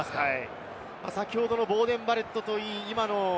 先ほどのボーデン・バレットといい。